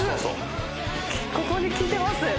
そうここにきいてます